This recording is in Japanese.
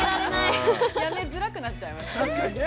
◆やめづらくなっちゃいますね。